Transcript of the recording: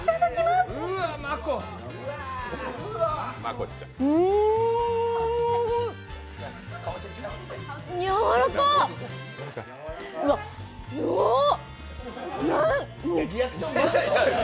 すごっ！